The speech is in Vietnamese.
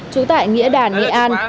trú tại nghĩa đản nghệ an